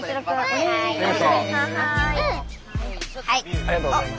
ありがとうございます。